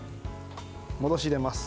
戻し入れます。